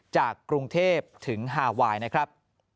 จากกรุงเทพถึงฮาไวน์นะครับ